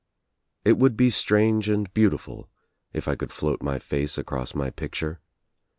It would be strange and beautiful if I could float my face across my picture.